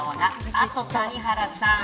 あと谷原さん